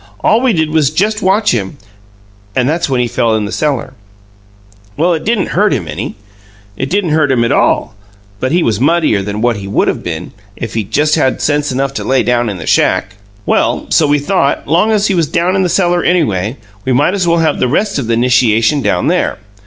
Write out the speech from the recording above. All we did was just watch him and that's when he fell in the cellar. Well, it didn't hurt him any. It didn't hurt him at all; but he was muddier than what he would of been if he'd just had sense enough to lay down in the shack. Well, so we thought, long as he was down in the cellar anyway, we might as well have the rest of the 'nishiation down there.